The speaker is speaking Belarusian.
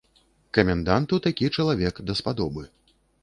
Каменданту такі чалавек даспадобы.